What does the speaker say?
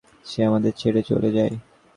সে আমাদের ছেড়ে চলে যায়।